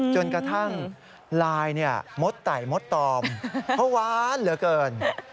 จนกระทั่งลายมดไต่มดตอมเพราะหวานเหลือเกิน